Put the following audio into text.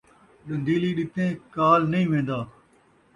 ݙن٘دیلی ݙتیں کال نئیں وین٘دا